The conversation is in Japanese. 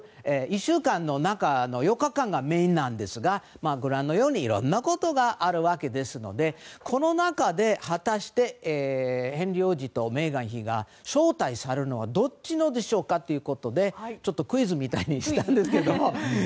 １週間の中の４日間がメインなんですがご覧のようにいろんなことがあるわけですのでこの中で果たしてヘンリー王子とメーガン妃が招待されるのかどっちなんでしょうかということでクイズみたいにしたんですけど。